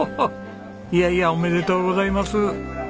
いやいやおめでとうございます！